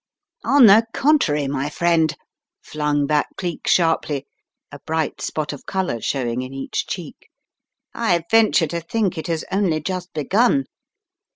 "On the contrary, my friend," flung back Cleek sharply, a bright spot of colour showing in each cheek, "I venture to think it has only just begun.